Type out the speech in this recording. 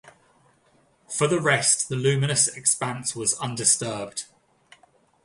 For the rest the luminous expanse was undisturbed.